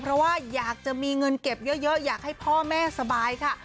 เพราะว่าอยากจะมีเงินเก็บเยอะอยากให้พ่อแม่สบายค่ะ